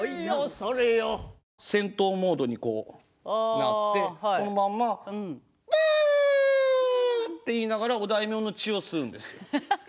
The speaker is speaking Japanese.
戦闘モードになってこのまんま「ぶん」って言いながらお大名の血を吸うんですよ。